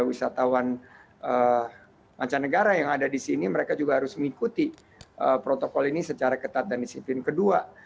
wisatawan mancanegara yang ada di sini mereka juga harus mengikuti protokol ini secara ketat dan disiplin kedua